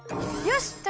よし！